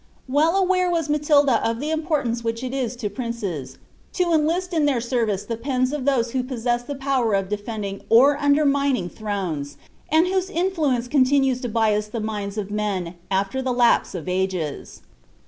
Well aware was Matilda of the importance which it is to princes, to enlist in their serrice the pens of those who possess the power of de fending or undermining thrones, and whose influence continues to bias the minds of men aAer the lapse of ages.